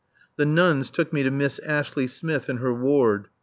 The nuns took me to Miss Ashley Smith in her ward.